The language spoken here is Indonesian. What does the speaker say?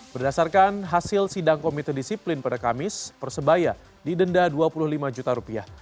berdasarkan hasil sidang komite disiplin pada kamis persebaya didenda rp dua puluh lima juta rupiah